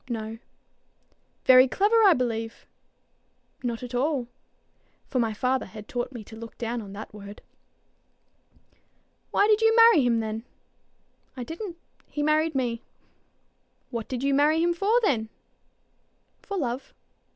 "No." "Very clever, I believe." "Not at all." For my father had taught me to look down on that word. "Why did you marry him then?" "I didn't. He married me." "What did you marry him for then?" "For love."